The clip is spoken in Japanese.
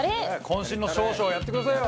渾身の少々やってくださいよ！